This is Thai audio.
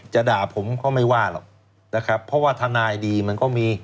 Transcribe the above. จะด่าผมก็ไม่ว่าหรอกนะครับเพราะว่าทนายดีมันก็มี